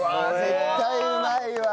絶対うまいわ！